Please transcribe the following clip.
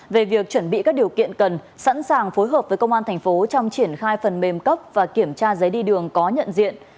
về việc chuẩn bị các điều kiện cần sẵn sàng phối hợp với công an thành phố trong triển khai phần mềm cấp và kiểm tra giấy đi đường có nhận diện